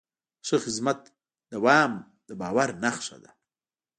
د ښه خدمت دوام د باور نښه ده.